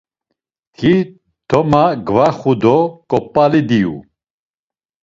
Ti toma gvaxu do ǩop̌ali diyu.